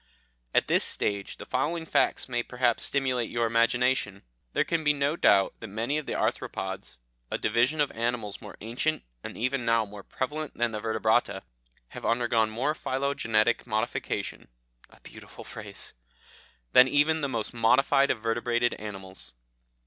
At this stage the following facts may perhaps stimulate your imagination. There can be no doubt that many of the Arthropods, a division of animals more ancient and even now more prevalent than the Vertebrata, have undergone more phylogenetic modification" a beautiful phrase "than even the most modified of vertebrated animals.